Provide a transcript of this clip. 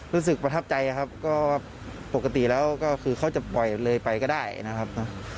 รู้สึกประทับใจครับก็ปกติแล้วก็คือเขาจะปล่อยเลยไปก็ได้นะครับ